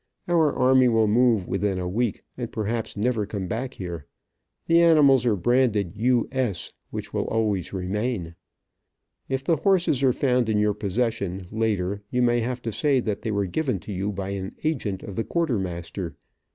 Our army will move within a week, and perhaps never come back here. The animals are branded 'U. S.' which will always remain. If the horses are found in your possession, later, you may have to say that they were given to you by an agent of the quartermaster.